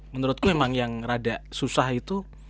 menurutku memang yang rada susah itu